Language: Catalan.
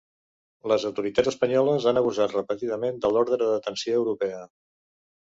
Les autoritats espanyoles han abusat repetidament de l’ordre de detenció europea.